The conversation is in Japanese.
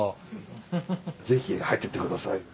ぜひ入ってってください。